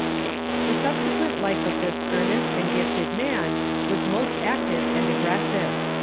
The subsequent life of this earnest and gifted man was most active and aggressive.